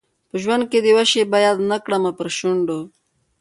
په ژوند کي دي یوه شېبه یاد نه کړمه پر شونډو